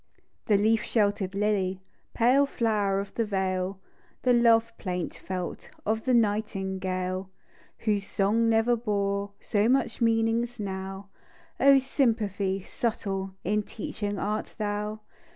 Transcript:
The leaf shelter 'd lily, Pale " flow'r of the vale," The love plaint felt Of the nightingale ; THE DEW DROP. Whose song never bore So much meaning as now :—(), sympathy !— subtile In teaching art thou.